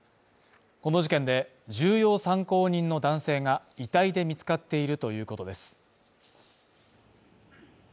この事件で、重要参考人の男性が遺体で見つかっているということです。